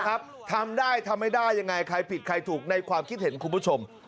ทำได้ทำไม่ได้ยังไงใครผิดใครถูกในความคิดเห็นคุณผู้ชม